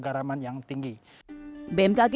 curah hujan akan menjadi tinggi dan mudah dipelajari